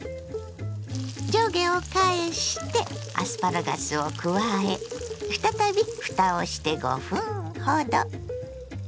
上下を返してアスパラガスを加え再びふたをして５分ほど。